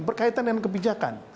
berkaitan dengan kebijakan